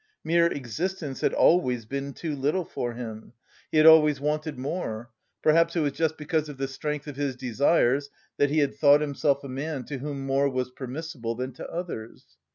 Mere existence had always been too little for him; he had always wanted more. Perhaps it was just because of the strength of his desires that he had thought himself a man to whom more was permissible than to others.